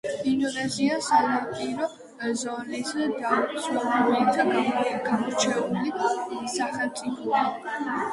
ინდონეზია სანაპირო ზოლის დაუცველობით გამორჩეული სახელმწიფოა